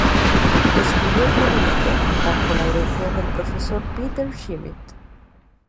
Estudió clarinete bajo la dirección del profesor Peter Schmid.